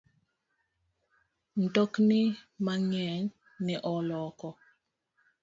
Mtokni mang'eny ne oloko